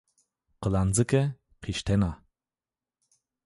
Qilancike qîştena